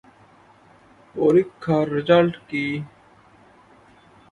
পরীক্ষার রেজাল্ট কী?